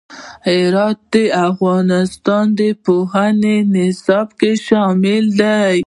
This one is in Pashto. هرات د افغانستان د پوهنې نصاب کې شامل دی.